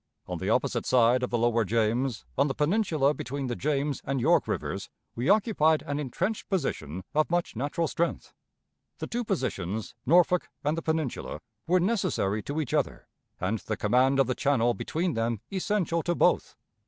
On the opposite side of the lower James, on the Peninsula between the James and York Rivers, we occupied an intrenched position of much natural strength. The two positions, Norfolk and the Peninsula, were necessary to each other, and the command of the channel between them essential to both.